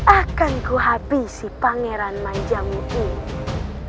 akan ku habisi pangeran manjamur ini